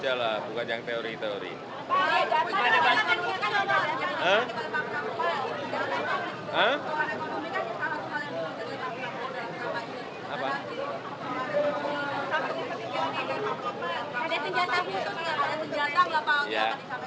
ada senjata khusus ada senjata nggak apa apa